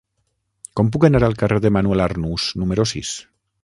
Com puc anar al carrer de Manuel Arnús número sis?